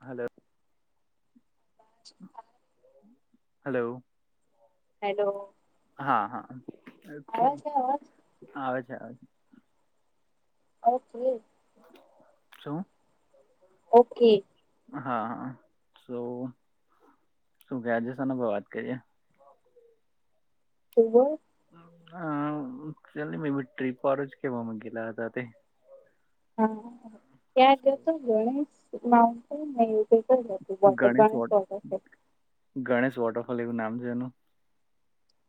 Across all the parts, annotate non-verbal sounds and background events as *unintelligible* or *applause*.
Hello hello hello હા હા આવે છે આવે છે ઓકે શું ઓકે હા હ તો શું ક જશેને ભાઈ વાત કરીએ. એર *unintelligible* હ ચ મે ટ્રીપ વારું જ કેવામાં ગેલા હતા તે. હા ત્યાં જતો ગણેશ માઉન્ટ ગણેશ એવું. વોટ *unintelligible* ગણેશ વોટરફોલ એવું નામ છે એનું.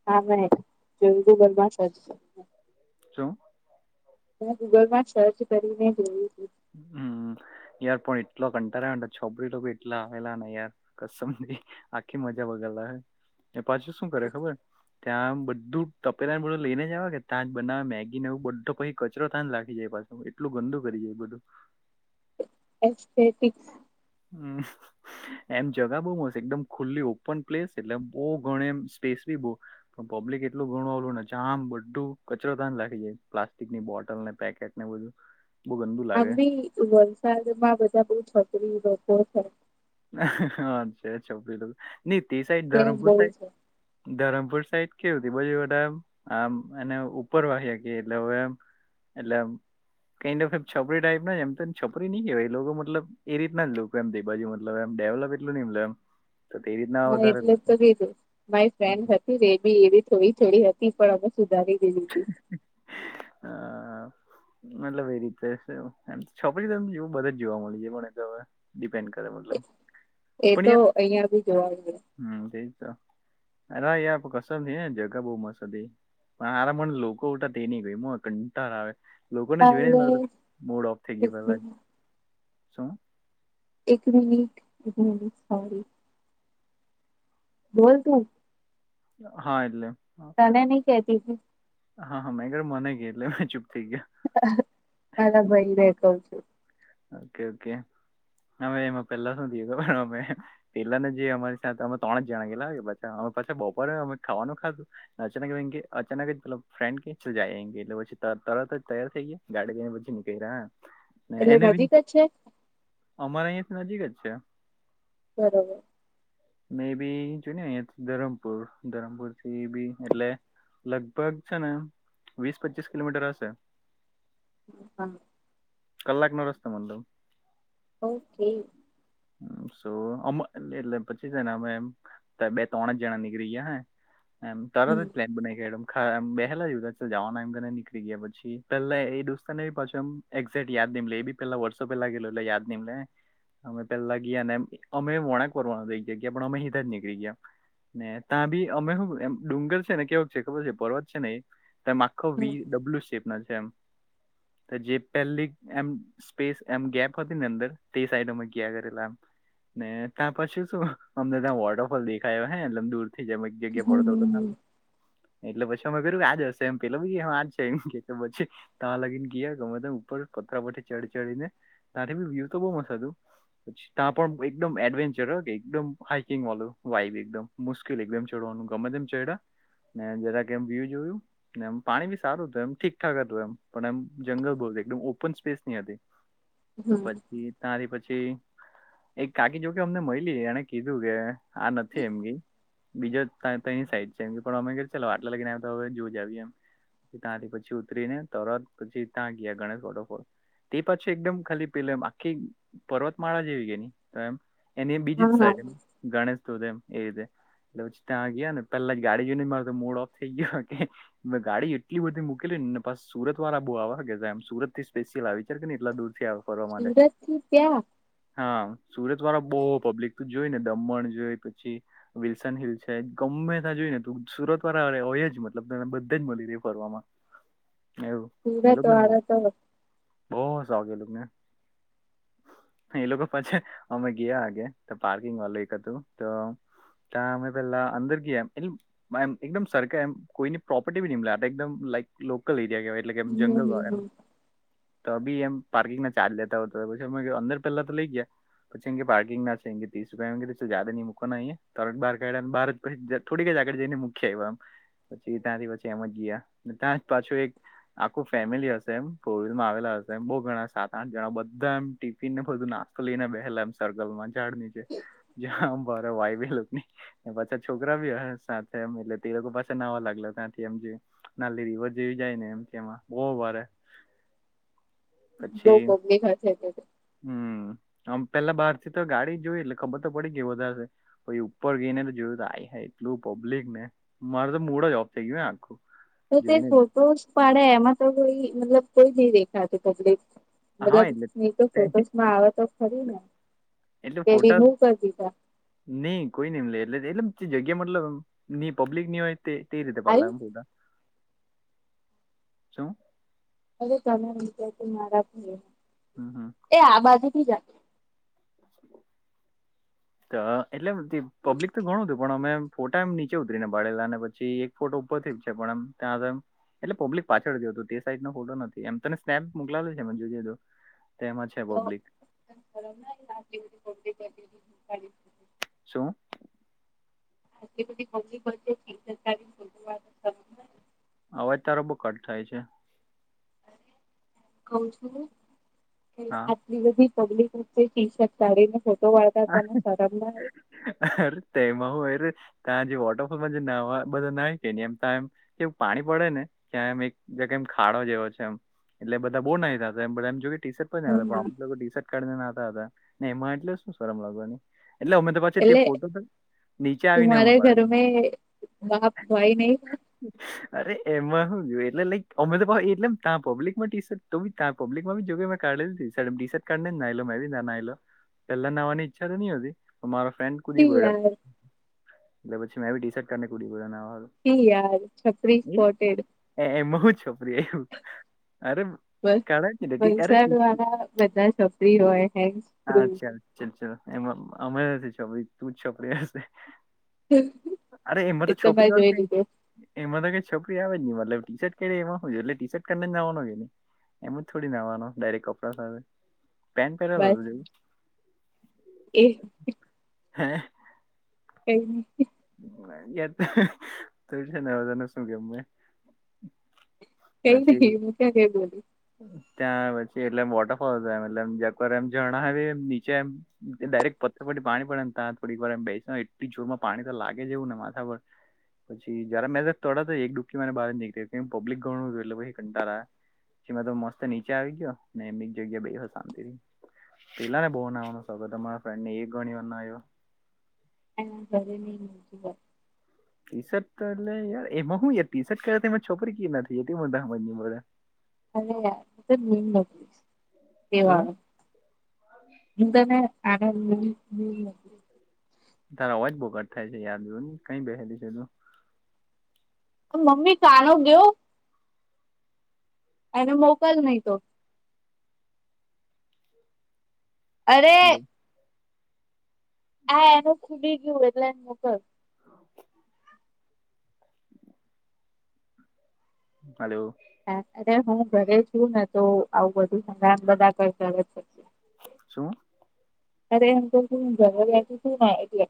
હા મે જોયું તું બરમાં જ છે. છો. મેં ગૂગલમાં સર્ચ કરીને જોયું છું. હમ. યાર પણ એટલો કંટા છોપરી ટી એટલા આવેલા ને યાર ક આખી મજા બગાલા હોય એ પાછું શું કરે ખબર ત્યાં બધું તપેલા ને બધું લઈને જવા કે ત્યાં જ બનાવે મેગી ને એવું બધો પછ કચરો તાજ લાગ જાય પા એટલું ગંદું કરી જાય બધું. એટિકસ. હમ. એમ જગા બઉ મસ્ત એકદમ ખુલ્લી ઓપન પ્લેસ એટલે બહ ગણી એમ સ્પેસ બી બ પણ પબ્લિક એટલું ગણવાલું ને જામ બધું કચરો તાન લખી જાય પ્લાસ્ટિકની બોટલને પેકેટ ના બધુ. આમ ભી વલસાડમાં બધા બઉ છતરી વ છેાય. હા છે છીલ ન તે સાઈડ ધરમપુર બહુ સાઈ છે ધરમપુર સાઈડ કેવું ત બજુધમ આમ એ ઉપર વાહ્યા ગ એટલે હવે એમ એટલે. કાન્ડ ઓફ છપરી ટાઈપ ના એમ છપરી નહી કેહેવાય લોકો મતલબ એ રીતના જ લોકો એમ બાજુ એ એમ ડવલપ એટલ નહી એમ એમ. તો તેવી રીતના હા વધારે એટલે જ લોકો તો કીધું મારી ફ્રેન્ડ હતી. રે બી એવી થોડી થોડી હતી પણ અમે સુધારી ગીધી હતી. હા. મતલબ એ રીતેમ છોપરી તોવું બધા જ જોવા મળી છે પણ તો હવે. ડિપેન્ડ કરે. મતલબ એ પણ તો યાર અહિયાં ભી જોવા જએ. હમ તેજ તો અરે યાર કસર થ ને જગા બહુ મસ હતી. હાર મને લોકો ઉટા તે નહ ગય કંટાર આવે. લોકોને જોઈ ને મા ગઈ મડ ઓફ થઈ ગયા પેલા શું. એક મન સ બોલ તુ. હા એટલે. તમે નહી કતી હતી. હા હા મેં ઘર મને ગયા એટલે મેં ચુપ થઈ ગયા. મારા ભાઈનેેખું છું. ઓકે ઓકે હવે એમાં પેલા શુંધીધ પણ અમે પેલાને જે અમારી સાથે અમે ત્રણ જણા ગેલાા અમે પાછા બપોરે અમે ખાવાનું ખાધું અચાનક અચાનક જ ફ્રેડ જાય એટલે પછી તરર તૈયાર થઈ ગયા. ગાડી જને બુછી ન કેરા. એને એટલે બી નજીક જ છે અમારા અહીંથી નજીક જ છે. બરોબર. મે બી જો ધરમપુર ધરમપુર થી બી એટલે લગભગ છે ને વીસ પચીસ કિલોમીટર હશે. હમ. કલાક નો રસ્તા મન તો ઓકે. હ સો અમ એ એલે પછી છેને અમે એમ બે ત્રણ જણા નીકળી ગયા હે એમ તરત જ હમ પ્લેન બનાઈ ગેયલો અ બેહેલા *unintelligible* જાવાના એમને નીકળી ગયા પછી પેલા એ દોસ્તો ને પાછમ એક્ઝેટ યાદ ની એબી પેલા વોટ્સએપ પે લાગેલો એટલે યાદ ની મને અમે પેલા ગ્યા ને અમે વણાંકનું વળવા નું રઈ ગ્યા પણ અમે ત્યાં જ નીકળી ગયા ને તા બી અમે હુ અમે ડુંગર છે ને કેવુ છે ખબર છે પર્વત છે ને તેમાં ખો હમ વી ડબલુ શેપ ના છે એમ જે પહેલી એમ સ્પેસ એમ ગેપ હતી ને અંદર તે સાઈડમાં ગ્યા કરેલા ને ત્યા પછી શું અમને ત્યાં વોટરફોલ દેખાયો હે એમ દૂર થી જેમ એક જગ્યા હમ પડતો હતો હમ *unintelligible* એટલે પછી અમે કર્યું કે આ જ હશે એમ પેલા બી આજ છે એમ કે પછી તાં લાગીને ગ્યા ગમે તેમ ઉપર પથરા પરથી ચડી ચડીને ત્યાંથી બી વ્યુ તો બઉ મસ્ત હતું પછી ત્યાં પણ એકદમ એડવેન્ચર હો કે એકદમ હાઈ કિંગ વાલુ વાયબ એકદમ મુશ્કેલ એકદમ ચડવાનું ગમેતમ ચયડા ને જરાક એમ વ્યુ જોયું. એમ પાણી બી સારું હતું એમ ઠીકઠાક હતું એમ પણ એમ જંગલ બહુ એકમ ઓપન સ્પેસ ની હતી *unintelligible* હમ્મ. તાથી પછી એક કાકી જોકે અમને મયલી એને કીધું કે આ નથી એમગી બીજો ત તઈ સાઈડ છે એમ અમે ચો આટલા લગીને આવ તો હવે જો જાએ એમ ત્યાંથી પછી ઉતરી ને તરત પછી ત્યાં ગયા ગણેશ વોટરફોર તે પછી એકદમ ખાલી પેલે એમ આખી પર્વતમાળા જ એવી એની એમ એની બીજી જ હા હા સાઈડ ગણેશ ધોધ એમ એ રીતે. લોછતા ગ્યા ને પેલા જ ગાડી જો ને માર તો મૂળ ઓફ થઈ ગ્યો મે ગાડી એટલી બધી મૂકેલી ને ને પાસ સુરત વાળા બહુ આ *unintelligible* કે એમ સુરત થી સ્પેશિયલ આવે વિચાર કે ને એટલા દૂરથી ફરવા માટે, સુરત થી ત્યાં હા સુરત વાળા બોહ પબ્લિક જોઈ ને દમણ જોઈ પછી વિલ્સન હિલ છે ગમે તા જોય ને ત સુરત વાળા આ હોય જ મતલબ તને બધે જ મળી રહે ફરવામાં *inaudible* પીરે તો આરત બવ હસુ આવતું તુને એ લોકો પછી અમે ગીયા આઘે પાર્કિંગ વાલુ એક હતું તો ત્યા અમે પેલા અંદર ગ્યા એટલે માં એકદમ સરખા એમ કોઈની પ્રોપર્ટી બી *unintelligible* એકદમ લાઈક લોકલ એરિયા કેવાય એટલે કે એમ હમ જંગલ હમ વાય એમ હમ તો બી એમ પાર્કિંગ ના ચાર્જ લેતા હોત તો પછી અમે કીધું અંદર પેલા તો લઈ ગયા પછી એમ કે પાર્કિંગ ના ત્રીસ રૂપિયા ની મૂકવાન નહીં હે તરણ બાર કાઢ બાર જ થોડીકઈ આગળ જઈને મૂકી આયવા અમે પછી ત્યાંથી પછી એમ જ ગયા તા જ પાછું એક આખું ફેમિલી હશે એમ પોવિલમાં આવેલા હશે એમ બહુ ગણા સાત આઠ જણા બધા એમ ટિફિન ને બધું નાસ્ કલીને બેહેલા એમ સર્કલ માં ઝાડ ની છે જ્યાં મારા વાયબી *unintelligible* પાછા છોકરા ભી હ સાથે એટલે તે લોકો પાસા નવા લાગલા ત્યાંથી એમ કે નલી રિવર જેવી જાય ને એમ એમાં બોહ વરે બહુ પછી પબ્લિક હશે તે તો હમ્મ આમ પેલા બહાર થી તો ગાડી જોય એટલે ખબર તો પડી ગઈ વધારે પહિ ઉપર ગઈ ને તો જોયું તો આય હાય એટલું પબ્લિક ને મારે તો મુળ જ ઓફ થઈ ગયું આખું તો તે જોઈને ફોટોસ પડ્યા એમાં તો કોઈ મતલબ કોઈ નહી દેખાત પબ્લિક હા મતલબ એટલે તો તે- ફોટોસમાં આવે તો ખરી ને કે રિમુવ કરી દીધા ની કોઈ નઈ એમ લે એટલે એટલે જગ્યા મતલબ ની પબ્લિક ની હોય તે તે રીતે પાલલા ફોટા શું અરે તમે વિચાર મારા છે હમ હમ એ આ બાજુ થી જા *unintelligible* ત એટલે પબ્લિક તો ઘણું હતું પણ અમે ફોટા એમ નીચે ઉતરી ને પાળેલા પછી એક ફોટો ઉપર થઈ જ છે પણ એમ ત્યાં આગળ એમ એટલે પબ્લિક પાછળ ગયો હતું તે સાઈઝ નો ફોટો નથી એમ તને સ્નેપ મોકલાયો છે મે જોજે તો તેમાં છે તો પબ્લિક પબ્લિક *unintelligible* શું આટલી બધી *unintelligible* *unintelligible* અવાજ તારો બહ કટ થાય છે. કુંહુ છું કે હા બધી પબ્લિક વચ્ચે ટી શર્ટ કાઢીને ફોટો વાળતા તને શરમ ના આવે અરે તોમાં હું યરે ત્યાં જે વોટરફોલમાં જે નાવા બધા નાય કે ની એમ તા એમ કે પાણી પડે ને કેયા એમ એક જગમ ખાડો જેવો છે એમ એટલે બધા બો નાયે ત્યાં તો એમ જો ટીસટ અ હા ટી શર્ટ કાઢીને નાતા હતા ને એમાં એટલે શું સરમ લાગવાની એટલે અમે પછી તે એટલે ફોટો નીચે આવીને હું તુમારે ઘર પાડેલો મે બાપ ભાઈ નહી અરે એમાં શું જોયું એટલે લાઈક અમે તો એટલેમ તા પબ્લિકમાં ટી શર્ટ તો તા પબ્લિકમાં જો મેં કાડેલી ટી શર્ટ એમ ટીશર્ટ કાઢીને જ નાયલો મેં બી તા નાયલો પેલા નવાની ઈચ્છા તો નહતી પણ મારો ફ્રેન્ડ કુદી છી પયડો યાર એટલે પછી મે બી ટી શર્ટ કાઢીને કૂદી પયડો નાહવા હારુ. છી યાર છપરી સ્પોટેડ એ એ માં હું છોપરી આવું અરે બસ કાઢા જ ને ટી- અરે વલસાડ ટી- વારા બધા છપરી હોય હે અચ્છાચા એમાં અમે નથી છપરી તું જ છપરી હશે અરે એમાં એ તો મેં છપરી વાળુ જોઈ કઈ લીધું એમાં તો કઈ છપરી આવે જ ની મતલબ ટી શર્ટ કાડે એમાં હું જે એટલે ટી શર્ટને કાર્ડને જ નાવાનો કે નહીં એમજ થોડી નાવાનો ડાયરેક્ટ કપડા સાથે પેન્ટ પહેરેલું બસ હતું જોવું એ હે કઈ ની *unintelligible* કઈ મેં પછી ની હું ક્યાં કંઈ બોલી ત્યાં પછી એટલેમ વોટરફોલમ હતો એમ એટલેમ એમ જરણાવ એમ નીચે એમ ડાયરેક્ટ પથ્થર પરથી પાણી પડે ને તા થોડીક વાર એમ બેયસા હોય એટલી જોરમાં પાણી તો લાગે જેવું ને માથા પર પછી જ્યારે મે તડત જ એક ડુબકી માને બાર નીકળી કે પબ્લિક ગણું હતું એટલે પછી કંટાળો આવે જેમાં તો મસ્ત નીચે આવી ગયો ને જગ્યા બેહયો શાંતિ થી પેલા ને બહુ નાવાનો સોંખ હતો મારા ફ્રેન્ડ ને એ ગણી વાર નાયો. એ ઘરે ની વા ટી શર્ટ તો એટલે યાર એમાં હું યાર ટી શર્ટ પેરે છોપરી કેવી રીતના થે જાય તે મનાતા હમજ ની પડે. અ શું તેવાણ આગળ *unintelligible* તારો અવાજ બહુ કટ થાય છે યાર જોને કાંઈ બેહેલી છે તું મમ્મી કાનો ગયો અએને મોકલ નહી તો અરે હલો હા એનું ખુલી ગયું એટલે એને મોકલ હલો હા અરે હું ઘરે છું ને તો આવું બધું હંગામ બધા કઈ કરે છે. શું. અરે એમ તો એટલે.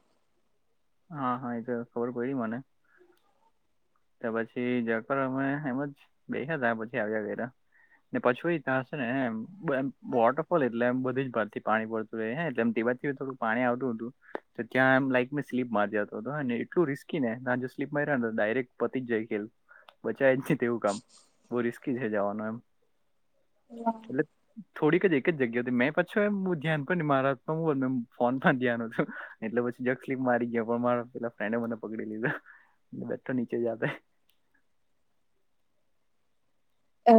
હા હા એ તો ખબર પ ર મને ત પછી જર અમે એમ જ ગયાયા ત્યા પછી આવ્યા ગયા. ને પછી એ થ હશે ને વોટરફોલ એટલે એમ બધી જ ભારથી પાણી પત એટ થોડું પાણી આવતું હતું તો ત્યાં લાઈક મે સ્લીપ માર જતો હતોને એટલું રિસ્ક કીને ના જો સ્પમાંઈ રહ ડારેક્ટ પતિ જ જાય કેલ બચાય નહી તેવું કામ બહુ રિસ્કી છે જવાનું એમ. *inaudible* *inaudible* થોડીક જ એક જગ્યા હતી મેં પછી હું ધ્યાન પણ મારા હું ફોન પણ ધ્યાન હતું. એટલે પછી જગ સ્લીપ મારી ગયો પણ મારા પેલા ફ્રેન્ડે મને પકડી લીધો બેઠો નીચે જ અ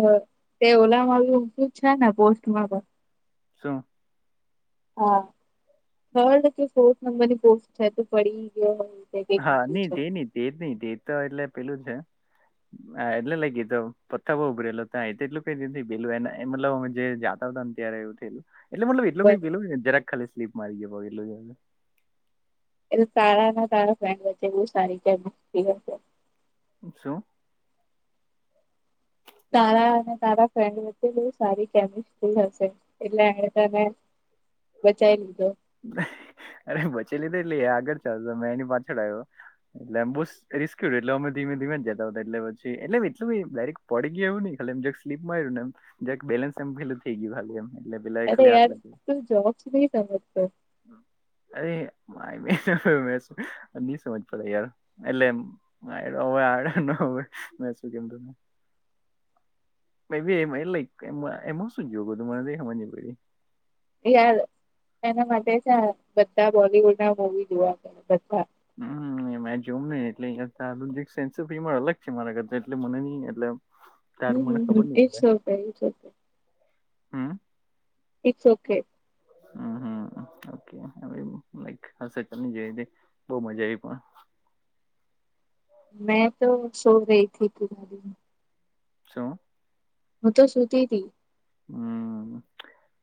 તે ઓલામાં છે ને પોસ્ટમાં પણ. શું. હા થર્ડ કે ફોર્થ નંબરની પોસ્ટ છે તો પડી ગયો. તે કઈક હા નીચું નઈ છે તે નઈ તેજ નહ તેજ તો એટલે પેલું છે. હા એટલે લઈ ગી તો પથ્થર બઉ ઉભરેે હતા એટું ક પેલું એ મતલબ અમે જે જાતા હતા. ત્યારે એવું થયું એટલેતલબ એટલ કઈ બરોબર પેલું જરા ખાલી સ્લી મારી ગ એલું એટ સારા ના તારા ફ્રેન્ડ વચ્ચે બ સારી કે છે. શું. તારા અને તારા ફ્રેન્ડ વચ્ચે બ સારી કેમિસ્ટ્રી હશે એટલે તને બચાઈ લીધો. અરે બચે લીધે એટલે આગળ ચાલ મેં એની પાછળ આવ્યો એટલેમ બુસ રિસ્કયુ એટલે અમે ધીમે ધીમે જતા હતા એટલે પછ એટલે એલું એ ડરેક પડી ગયાું ન ખા એમ સ્લીપ મા આવ્યું એમ. જેક બેલેન્સ એમ ભે થઈ ગયો ભાલી એમ. એટલે પેલા એ અરે ખાલી હાથ યાર લાગે તુ જોબસ ન સમજતો. અરે નહી સમજ પતા યાર એટલે આ હવે આ ન હવે મે શું કેમુંને એમાં શું જોયોરે યાર એના માટે છે બધા બોલીવુડ ના મવી જોવા મળ બધા. હમ્મ. જોમ એટ અલગ છેરા કર એટલે મને ન એટલે. હમ્મ તારું હમ્મ હમ્મ it's okay it's okay. Hmm. It's okay. હમ ઓકેક હશેની જો બહ મજા આવી પણ. મેં તો સો રહી થી. છો. હું તો સુતી તી. હમ્મ.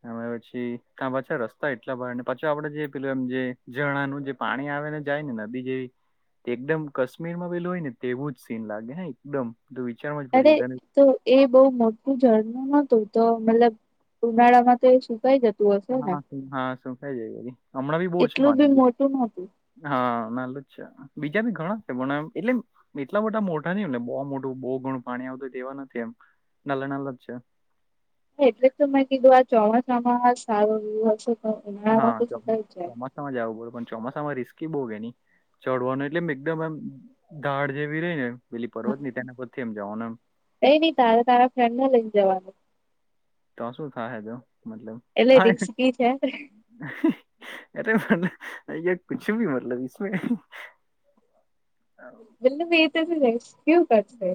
હ પછી ક પાછા રસ્તા એટલા બાર ને પાછ આપડે જે પેલું એમ જે ણનું જે. પાણી આવે ને જાય ને નદી જેવી. એકદમ કાશ્મીર માં પેલું હોય ને તેવું જ સીન લાગે હ એકદમ તો વિચારમાં જ અરે પડી જ તને. તો એ બહુ મોટું ઝરનું નતું તો મતલબ ઉનાળામાં તો એ સુકાઈ જતું. હશે ને હા હા શું ખાઈ જાય હમણાં બી બહુ છું એટલું બી પાણી. મોટું નતું હા નાાલુ જ છે બીજા ભી ઘણા છે બ એટલે. એટલા મોટા મોટા નહને બહુ મોટું બહુ ઘણું પાણી આવતું તેવા નથી એમ નલ નલ જ છે. એટલે જ તો મેં કીધું આ ચોમાસાોમાસા સારો ર હશે તો ઉનાળાવા તો શું થ જાય. માં જવું બોલો પણ ચોમાસામાંસ્કી બહુ ગ ની. ચડવાનું એટલે એકદમ એમ દાડ જેવી રેય ને પેલી પર્વત ની તેના પરથી એમ જવાનું એમ. એઈ ની તારે તારા ફ્રેન્ડને લઈ જવાનું. તોસું થાહે તો મતલબ. એટલે હા રીક્સ બી છે કુછ ભી મતલબ ઇસ્મે હાં *unintelligible* રેસ્ક્યુ કરશે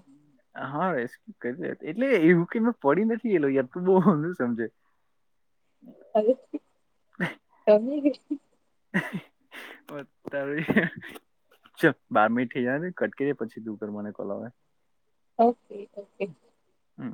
હા એજ કે જે એટલે કેએવુપડી નથી એલો યાર તો બહું સમજે *unintelligible* ઓ તારી ચ બાર મિનિટ થઇ જવાદે કટ કરીયે પછી *unintelligible* ઓકે ઓકે. હમ